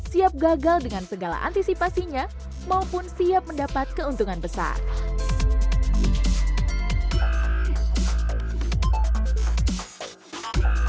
siap gagal dengan segala antisipasinya maupun siap mendapat keuntungan besar